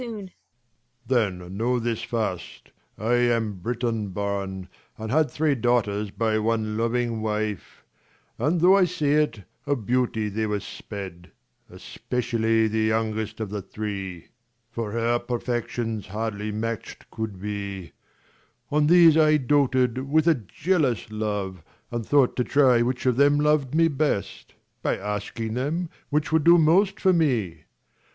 Then know this first, I am a Briton born, And had three daughters by one loving wife : And though I say it, of beauty they were sped ; Especially the youngest of the three, 90 KING LEIR AND [Acr V For her perfections hardly match'd could be : 1 50 On these I doted with a jealous love, And thought to try which of them lov'd me best, By asking them, which would do most for me